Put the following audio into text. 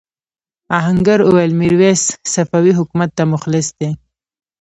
آهنګر وویل میرويس صفوي حکومت ته مخلص دی.